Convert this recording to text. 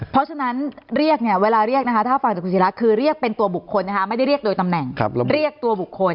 เพราะฉะนั้นเวลาเรียกนะคะ